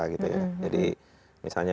gitu ya jadi misalnya